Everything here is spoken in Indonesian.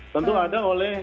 tentu ada oleh